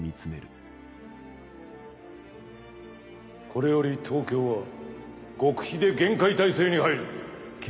これより東京は極秘で厳戒態勢に入る。